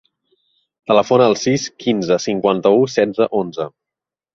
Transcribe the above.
Telefona al sis, quinze, cinquanta-u, setze, onze.